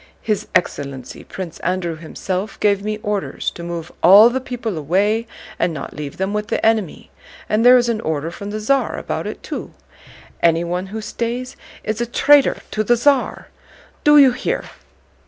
His excellency Prince Andrew himself gave me orders to move all the people away and not leave them with the enemy, and there is an order from the Tsar about it too. Anyone who stays is a traitor to the Tsar. Do you hear?"